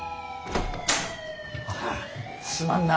すまんな。